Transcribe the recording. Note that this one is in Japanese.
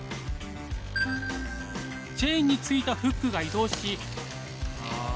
チェーンについたフックが移動し。